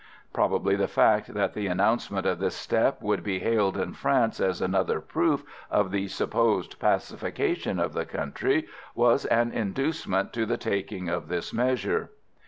Probably the fact that the announcement of this step would be hailed in France as another proof of the supposed pacification of the country was an inducement to the taking of this measure.